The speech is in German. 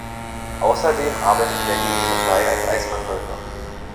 Außerdem arbeitet Benny nebenbei als Eisverkäufer.